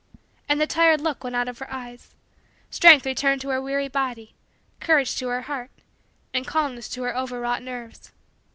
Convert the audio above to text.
And the tired look went out of her eyes. Strength returned to her weary body, courage to her heart, and calmness to her over wrought nerves.